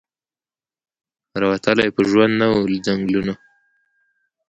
را وتلی په ژوند نه وو له ځنګلونو